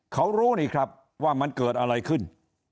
เขารู้นี่ครับว่ามันเกิดอะไรขึ้น